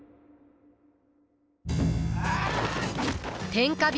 天下人